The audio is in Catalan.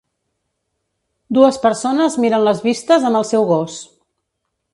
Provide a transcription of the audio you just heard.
Dues persones miren les vistes amb el seu gos.